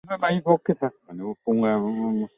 পৃথিবীর সর্বত্র ইহাই হইল জনসাধারণের ধর্ম।